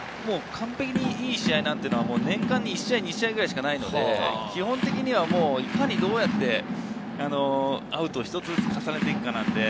完璧にいい試合というのは年間１試合か２試合ぐらいしかないので、いかにどうやってアウトを一つずつ重ねていくか。